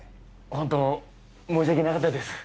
ホント申し訳なかったです！